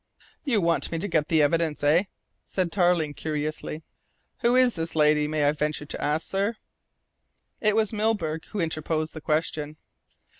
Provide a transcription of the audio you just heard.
"You want me to get the evidence, eh?" said Tarling curiously. "Who is the lady, may I venture to ask, sir?" It was Milburgh who interposed the question.